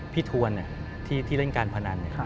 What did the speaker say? ทวนที่เล่นการพนัน